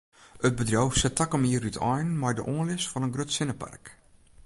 It bedriuw set takom jier útein mei de oanlis fan in grut sinnepark.